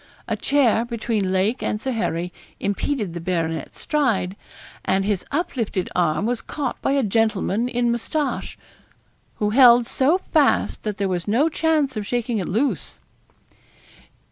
A chair between Lake and Sir Harry impeded the baronet's stride, and his uplifted arm was caught by a gentleman in moustache, who held so fast that there was no chance of shaking it loose.